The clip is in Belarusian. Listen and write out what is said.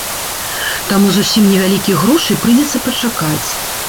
Таму зусім невялікіх грошай прыйдзецца пачакаць.